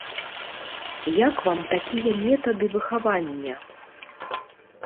Як вам такія метады выхавання?